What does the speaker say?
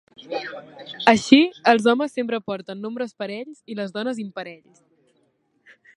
Així, els homes sempre porten nombres parells i les dones imparells.